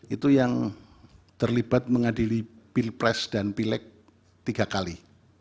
itu yang terlibat mengadili pilpres dan pileg tiga kali